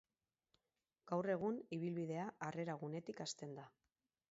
Gaur egun, ibilbidea harrera-gunetik hasten da.